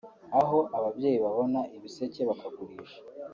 aho ababyeyi baboha ibiseke bakagurisha